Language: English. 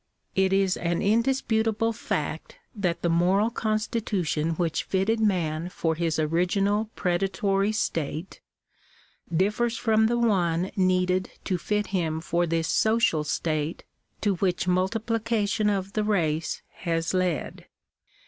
It is an indisputable fact that the moral constitution which fitted man for his original predatory state, differs from the one needed to fit him for this social state to which multiplication of the race has led.